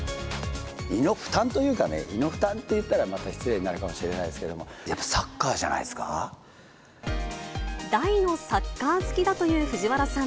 胃の負担というかね、胃の負担と言ったら、また失礼になるかもしれないですけど、やっぱサッカーじゃないで大のサッカー好きだという藤原さん。